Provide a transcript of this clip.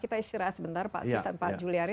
kita istirahat sebentar pak juliari